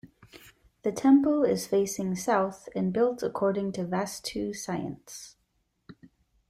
The temple is facing south and built according to vastu science.